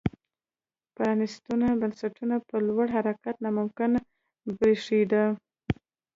پرانیستو بنسټونو په لور حرکت ناممکن برېښېده.